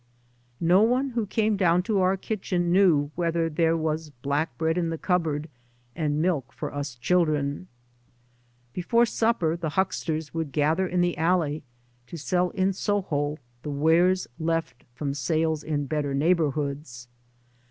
No one who came down to our kitchen knew whether there was black bread in the cupboard, and milk for us children. Before supper the hucksters would gather in the alley to sell in Soho the wares left from sales in better neighbour hoods.